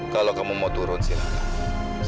kalau kamu mau turun silahkan